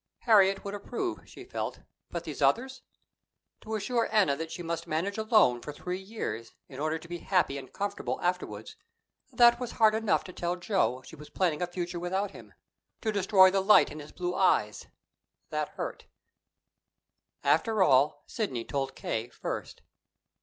Harriet would approve, she felt; but these others! To assure Anna that she must manage alone for three years, in order to be happy and comfortable afterward that was hard enough to tell Joe she was planning a future without him, to destroy the light in his blue eyes that hurt. After all, Sidney told K. first.